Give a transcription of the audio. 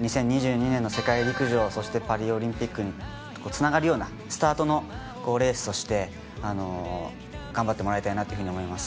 ２０２２年の世界陸上、そしてパリオリンピックにつながるようなスタートのレースとして頑張ってもらいたいなと思います。